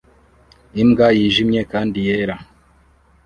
Imbwa yijimye kandi yera